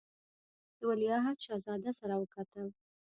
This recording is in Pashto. له ولیعهد شهزاده سره وکتل.